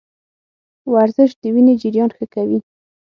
ورزش د وینې جریان ښه کوي.